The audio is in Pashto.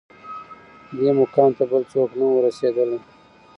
دې مقام ته بل څوک نه وه رسېدلي